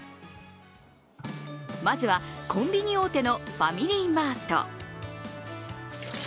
まずは、コンビニ大手のファミリーマート。